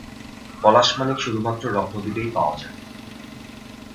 পলাশমানিক শুধুমাত্র রত্নদ্বীপেই পয়ায় যায়।